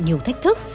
nhiều thách thức